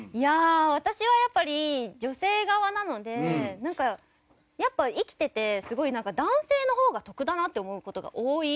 私はやっぱり女性側なので生きててすごい男性の方が得だなって思う事が多い。